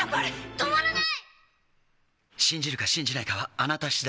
止まらない！